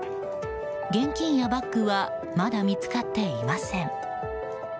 現金やバッグはまだ見つかっていません。